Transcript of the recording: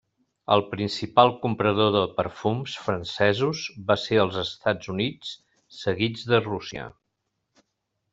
El principal comprador de perfums francesos va ser els Estats Units seguits de Rússia.